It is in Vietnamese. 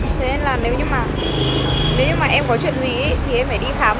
nên là nếu như mà em có chuyện gì thì em phải đi khám